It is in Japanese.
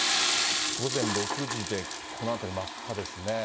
午前６時で、この辺り真っ赤ですね。